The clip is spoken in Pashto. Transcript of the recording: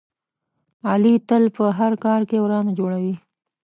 علي تل په هر کار کې ورانه جوړوي.